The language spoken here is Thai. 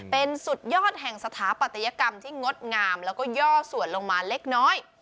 เป็นสุดยอดแห่งสถาปัตยกรรมที่งดงามแล้วก็ย่อส่วนลงมาเล็กน้อย